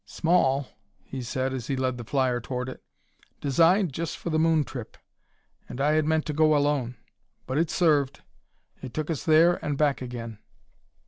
"Small," he said as he led the flyer toward it. "Designed just for the moon trip, and I had meant to go alone. But it served; it took us there and back again."